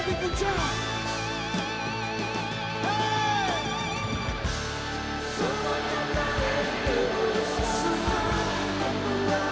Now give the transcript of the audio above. tak terlupa semuanya